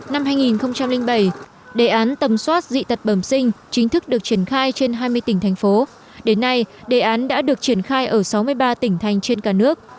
năm hai nghìn bảy đề án tầm soát dị tật bẩm sinh chính thức được triển khai trên hai mươi tỉnh thành phố đến nay đề án đã được triển khai ở sáu mươi ba tỉnh thành trên cả nước